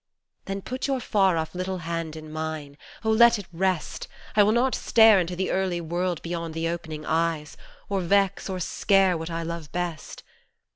Then put your far off little hand in mine ; Oh ! let it rest ; I will not stare into the early world beyond the opening eyes, Or vex or scare what I love best.